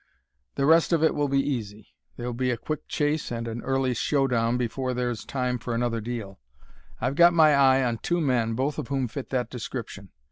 The rest of it will be easy; there'll be a quick chase and an early show down before there's time for another deal. I've got my eye on two men, both of whom fit that description.